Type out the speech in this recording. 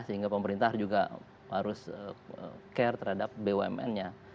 sehingga pemerintah juga harus care terhadap bumn nya